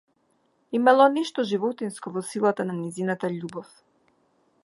Имало нешто животинско во силата на нејзината љубов.